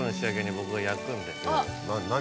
何？